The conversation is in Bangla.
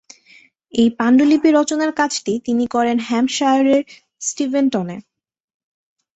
এই পাণ্ডুলিপি রচনার কাজটি তিনি করেন হ্যাম্পশায়ারের স্টিভেনটনে।